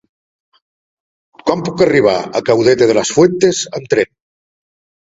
Com puc arribar a Caudete de las Fuentes amb tren?